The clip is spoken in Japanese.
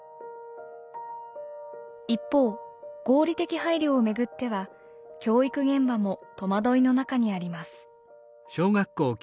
一方合理的配慮を巡っては教育現場も戸惑いの中にあります。